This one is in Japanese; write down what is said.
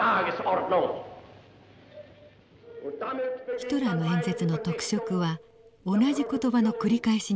ヒトラーの演説の特色は同じ言葉の繰り返しにあります。